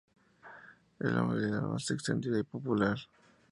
Es la modalidad más extendida y popular.